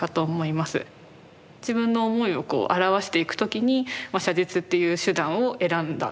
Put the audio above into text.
自分の思いをこう表していく時に写実っていう手段を選んだ。